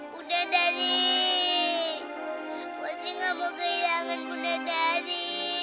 bunda dari pasti gak mau kehilangan bunda dari